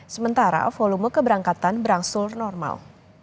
sementara volume keberangkatan berangsur normal